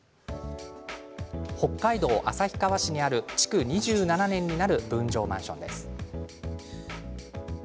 北海道旭川市にある築２７年になる分譲マンションです。